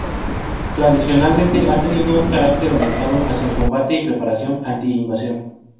Tradicionalmente ha tenido un carácter orientado hacia el combate y preparación anti-invasión.